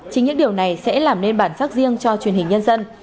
chính những điều này sẽ làm nên bản sắc riêng cho truyền hình nhân dân